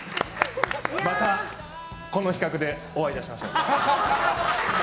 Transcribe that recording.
また、この企画でお会いいたしましょう。